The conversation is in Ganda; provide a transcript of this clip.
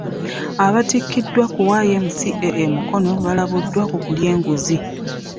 Abatikkiddwa ku YMCA e Mukono balabuddwa ku kulya enguzi